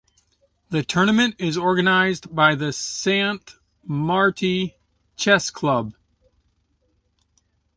The tournament is organized by the Sant Martí Chess Club.